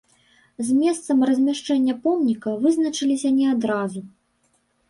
З месцам размяшчэння помніка вызначыліся не адразу.